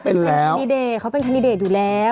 เป็นแคนดิเดตเขาเป็นคันดิเดตอยู่แล้ว